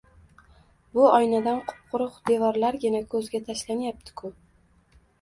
Bu oynadan qup-quruq devorlargina koʻzga tashlanyapti-ku